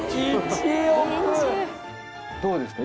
どうですか？